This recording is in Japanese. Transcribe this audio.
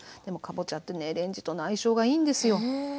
でもかぼちゃってねレンジとの相性がいいんですよ。